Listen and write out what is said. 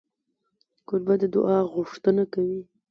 کوربه د دعا غوښتنه کوي.